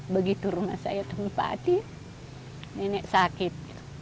begitu rumah saya tempati nenek sakit